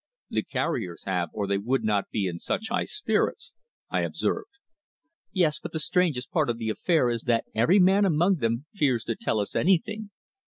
"The carriers have, or they would not be in such high spirits," I observed. "Yes, but the strangest part of the affair is that every man among them fears to tell us anything.